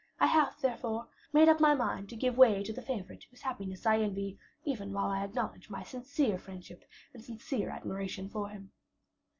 I have, therefore, made up my mind to give way to the favorite whose happiness I envy, even while I acknowledge my sincere friendship and sincere admiration for him.